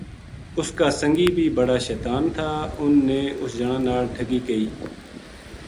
ا ُس کا سنگی بی بڑا شطان تھا اُنھ نے اس جنا ناڑ ٹھگی کئی